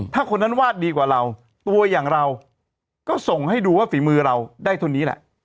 ถ้าคนนั้นวาดดีกว่าเราตัวอย่างเราก็ส่งให้ดูว่าฝีมือเราได้เท่านี้แหละ